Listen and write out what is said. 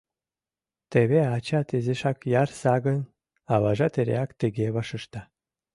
Теве ачат изишак ярса гын, — аважат эреак тыге вашешта.